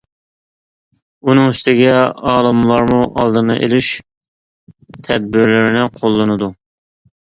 ئۇنىڭ ئۈستىگە ئالىملارمۇ ئالدىنى ئېلىش تەدبىرلىرىنى قوللىنىدۇ.